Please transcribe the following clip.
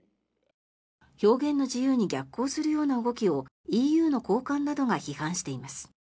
表現の自由に逆行するような動きをＥＵの高官などが批判しています。